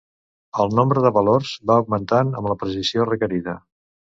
El nombre de valors van augmentant amb la precisió requerida.